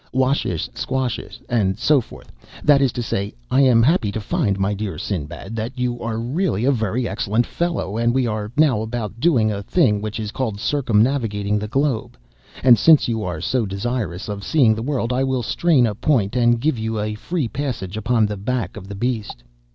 'Washish squashish,' and so forth:—that is to say, 'I am happy to find, my dear Sinbad, that you are really a very excellent fellow; we are now about doing a thing which is called circumnavigating the globe; and since you are so desirous of seeing the world, I will strain a point and give you a free passage upon back of the beast.